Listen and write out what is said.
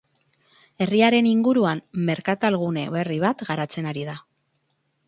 Herriaren inguruan, merkatalgune berri bat garatzen ari da.